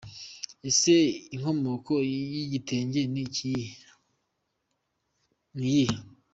Ese inkomoko y’igitenge ni iyihe ?.